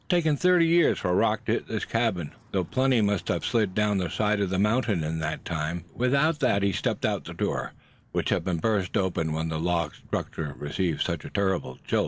It's taken thirty years for a rock to hit this cabin, though plenty must have slid down the side of the mountain in that time. Be back in a jiffy, boys." With that he stepped out of the door, which had been burst open when the log structure received such a terrific jolt.